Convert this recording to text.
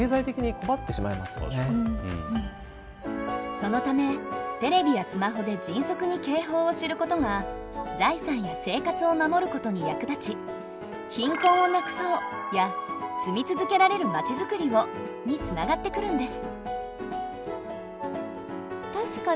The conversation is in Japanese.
そのためテレビやスマホで迅速に警報を知ることが財産や生活を守ることに役立ち「貧困をなくそう」や「住み続けられるまちづくりを」につながってくるんです。